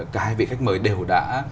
cả hai vị khách mời đều đã